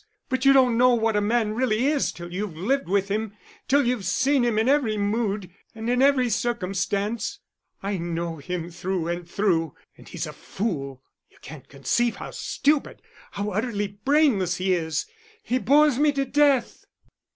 But you don't know what a man really is till you've lived with him, till you've seen him in every mood and in every circumstance. I know him through and through, and he's a fool. You can't conceive how stupid, how utterly brainless he is.... He bores me to death!"